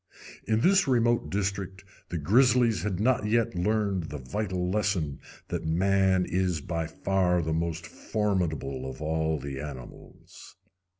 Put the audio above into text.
In this remote district the grizzlies had not yet learned the vital lesson that man is by far the most formidable of all the animals.